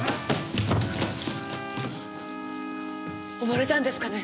溺れたんですかね？